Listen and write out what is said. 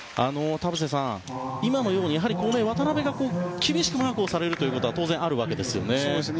田臥さん、今のように渡邊が厳しくマークされるということは当然あるわけですよね。